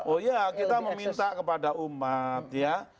oh iya kita meminta kepada umat ya